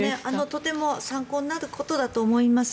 とても参考になることだと思います。